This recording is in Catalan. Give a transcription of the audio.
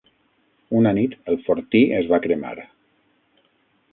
Una nit, el fortí es va cremar.